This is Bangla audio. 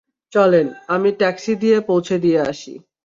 চলেন, আমি ট্যাক্সি দিয়ে পৌঁছে দিয়ে আসি।